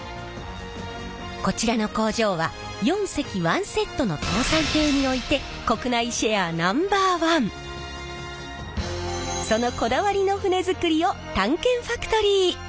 こちらの工場は４隻１セットの搭載艇においてそのこだわりの船造りを探検ファクトリー。